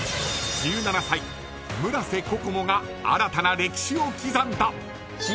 １７歳、村瀬心椛が新たな歴史を刻んだ。